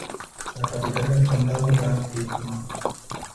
La capital del condado "Grand Cape Mount".